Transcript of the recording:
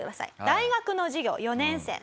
大学の授業４年生。